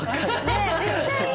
めっちゃいい！